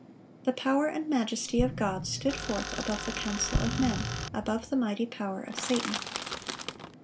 The power and majesty of God stood forth above the counsel of men, above the mighty power of Satan.